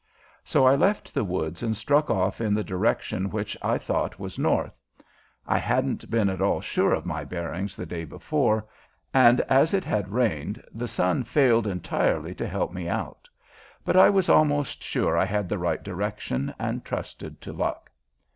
So I left the woods and struck off in the direction which I thought was north. I hadn't been at all sure of my bearings the day before, and as it had rained the sun failed entirely to help me out; but I was almost sure I had the right direction, and trusted to luck.